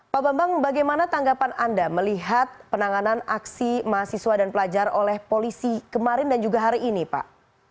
pak bambang bagaimana tanggapan anda melihat penanganan aksi mahasiswa dan pelajar oleh polisi kemarin dan juga hari ini pak